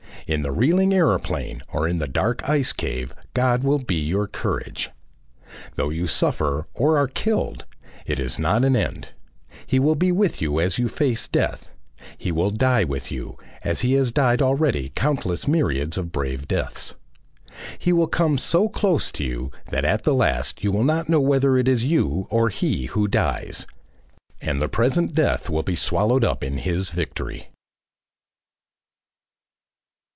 In the reeling aeroplane or the dark ice cave God will be your courage. Though you suffer or are killed, it is not an end. He will be with you as you face death; he will die with you as he has died already countless myriads of brave deaths. He will come so close to you that at the last you will not know whether it is you or he who dies, and the present death will be swallowed up in his victory.